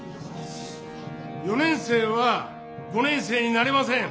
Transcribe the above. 「４年生は５年生になれません。